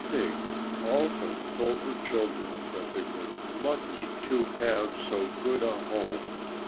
Pig often told her children that they were lucky to have so good a home.